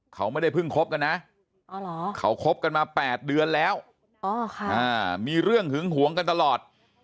เขาไม่ได้เพิ่งคบกันนะเขาคบกันมา๘เดือนแล้วมีเรื่องหึงหวงกันตลอด